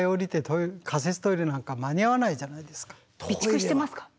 備蓄してますか？